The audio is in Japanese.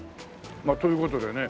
まあという事でね